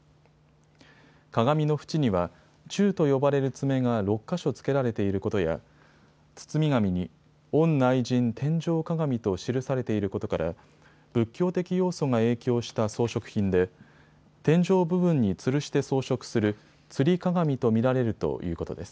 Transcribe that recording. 鏡の縁には鈕と呼ばれるツメが６か所付けられていることや、包み紙に御内陣天井鏡と記されていることから仏教的要素が影響した装飾品で天井部分につるして装飾する吊り鏡と見られるということです。